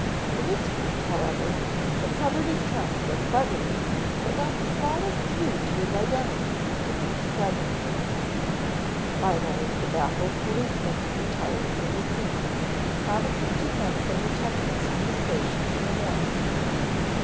The miscreant, however, had covered his tracks so cleverly that not the smallest clue to his identity could be discovered. Finally the baffled policeman retired from the scene, promising to send some detectives from the station in the morning.